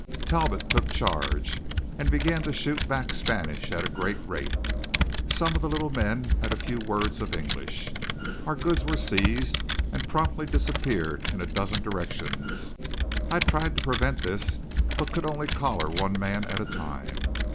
Talbot took charge, and began to shoot back Spanish at a great rate. Some of the little men had a few words of English. Our goods were seized, and promptly disappeared in a dozen directions. I tried to prevent this, but could only collar one man at a time.